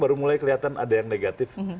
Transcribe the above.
baru mulai kelihatan ada yang negatif